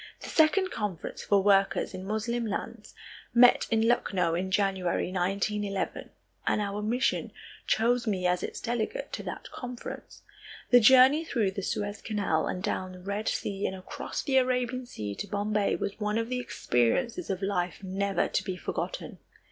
The second Conference for Workers in Moslem Lands met in Lucknow in January 1911 and our mission chose me as its delegate to that conference. The journey through the Suez Canal and down the Red Sea and across the Arabian Sea to Bombay was one of the experiences of life never to be forgotten.